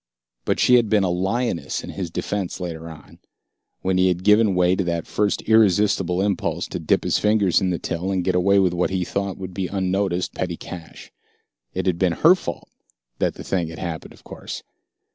But she had been a lioness in his defense later on, when he had given way to that first irresistible impulse to dip his fingers in the till and get away with what he thought would be unnoticed petty cash. It had been her fault that the thing had happened, of course.